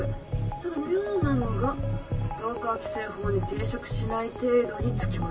ただ妙なのがストーカー規制法に抵触しない程度に付きまとってるってこと。